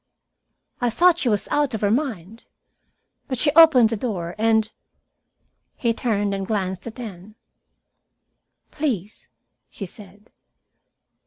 "I thought she was out of her mind. But she opened the door, and " He turned and glanced at Anne. "Please!" she said.